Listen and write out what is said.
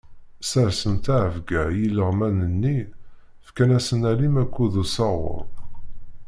Sersen ttɛebga i ileɣman-nni, fkan-asen alim akked usaɣur.